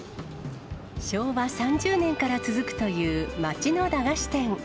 昭和３０年から続くという街の駄菓子店。